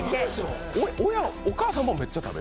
お母さんもめっちゃ食べる？